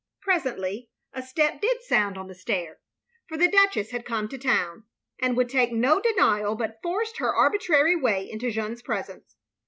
Presently a step did sound on the stair, for the Duchess had come to town, and would take no denial, but forced her arbitrary way into Jeanne's presence.